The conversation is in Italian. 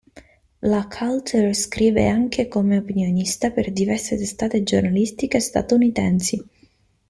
La Coulter scrive anche come opinionista per diverse testate giornalistiche statunitensi.